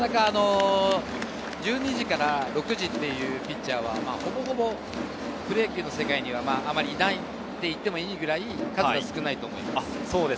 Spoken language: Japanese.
１２時から６時というピッチャーは、ほぼほぼプロ野球の世界にはいないといってもいいくらい数は少ないと思います。